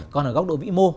còn ở góc độ vĩ mô